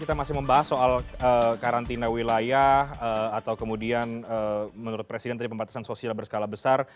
kita masih membahas soal karantina wilayah atau kemudian menurut presiden tadi pembatasan sosial berskala besar